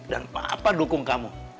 dan papa dukung kamu